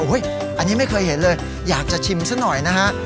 อันนี้ไม่เคยเห็นเลยอยากจะชิมซะหน่อยนะฮะ